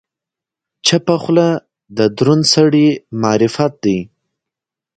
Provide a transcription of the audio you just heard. چپه خوله، د دروند سړي معرفت دی.